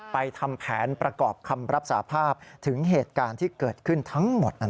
ทำแผนประกอบคำรับสาภาพถึงเหตุการณ์ที่เกิดขึ้นทั้งหมด